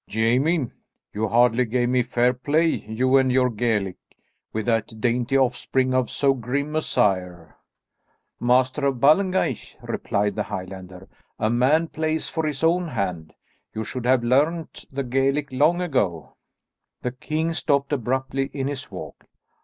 "Jamie, you hardly gave me fair play, you and your Gaelic, with that dainty offspring of so grim a sire." "Master of Ballengeich," replied the Highlander, "a man plays for his own hand. You should have learned the Gaelic long ago." The king stopped abruptly in his walk.